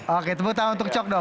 oke tepuk tangan untuk cok dong